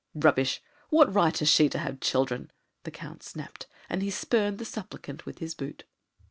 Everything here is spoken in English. "Rubbish! What right has she to have children?" the Count snapped, and he spurned the supplicant with his boot.